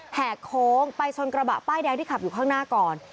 แหกโค้งไปชนกระบะป้ายแดงที่ขับอยู่ข้างหน้าก่อน